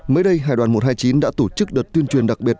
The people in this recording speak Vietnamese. mới đây hải đoàn một trăm hai mươi chín đã tổ chức đợt tuyên truyền đặc biệt